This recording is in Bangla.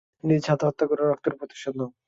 নিজ হাতে হত্যা করে রক্তের প্রতিশোধ নাও।